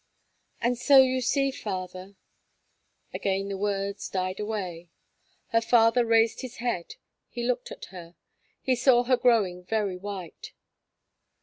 "And so you see, father." Again the words died away. Her father raised his head; he looked at her; he saw her growing very white.